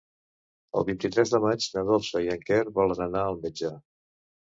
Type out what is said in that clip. El vint-i-tres de maig na Dolça i en Quer volen anar al metge.